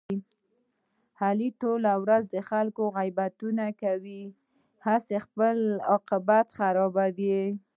علي ټوله ورځ د خلکو غیبتونه کوي، هسې بې ځایه خپل عاقبت خرابوي.